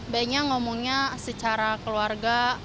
baiknya ngomongnya secara keluarga